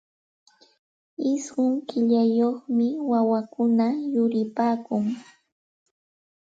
Ishqun killayuqmi wawakuna yuripaakun.